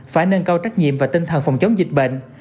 phải nâng cao trách nhiệm và tinh thần phòng chống dịch bệnh